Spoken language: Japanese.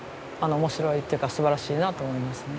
面白いっていうかすばらしいなと思いますね。